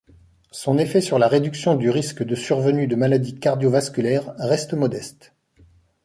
Son effet sur la réduction du risque de survenue de maladies cardio-vasculaires reste modeste.